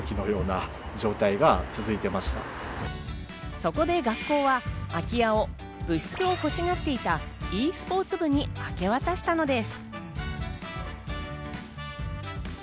そこで学校は空き家を、部室を欲しがっていたｅスポーツ部に明け渡したのです。